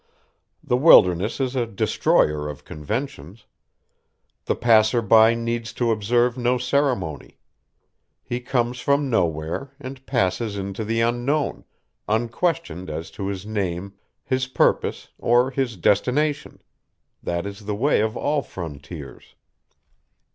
The wilderness is a destroyer of conventions. The passer by needs to observe no ceremony. He comes from nowhere and passes into the unknown, unquestioned as to his name, his purpose, or his destination. That is the way of all frontiers.